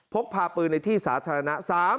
พกพาปืนในที่สาธารณะ